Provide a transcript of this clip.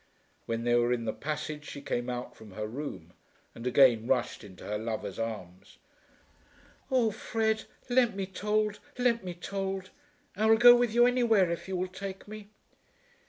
When they were in the passage she came out from her room, and again rushed into her lover's arms. "Oh, Fred, let me told, let me told. I will go with you anywhere if you will take me."